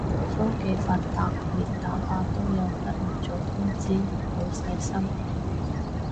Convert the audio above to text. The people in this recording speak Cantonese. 科技發達連打靶都有得預早通知，好細心